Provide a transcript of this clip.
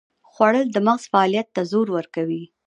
خوړل د مغزو فعالیت ته زور ورکوي